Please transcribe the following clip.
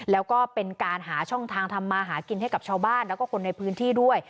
แล้วก็เป็นการหาช่องทางทำมาหากินให้กับชาวบ้านแล้วก็คนในพื้นที่ด้วย